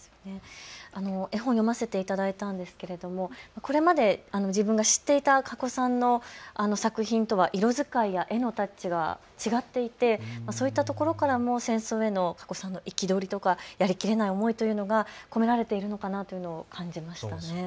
絵本、読ませていただいたんですけどもこれまで自分が知っていたかこさんの作品とは色使いや絵のタッチが違っていてそういったところからも戦争へのかこさんの憤りとかやりきれない思いというのが込められているのかなというのを感じましたね。